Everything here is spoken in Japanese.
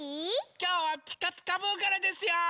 きょうは「ピカピカブ！」からですよ！